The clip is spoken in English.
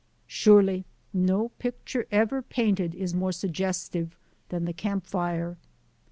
Surely no picture ever painted is more suggestive than the camp fire.